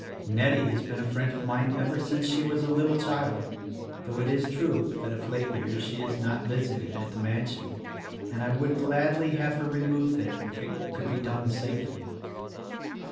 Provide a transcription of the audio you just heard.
Nettie has been a friend of mine ever since she was a little child (though it is true that of late years she has not visited at the mansion), and I would gladly have her removed there if it could be done safely."